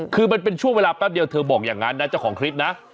คือมันเป็นช่วงเวลาแป๊บเดียวเธอบอกอย่างนั้นนะเจ้าของคลิปนะ